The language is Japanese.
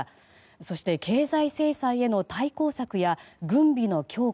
そして、経済制裁への対抗策や軍備の強化